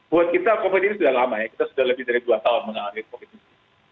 buat kita covid ini sudah lama ya kita sudah lebih dari dua tahun mengalami covid ini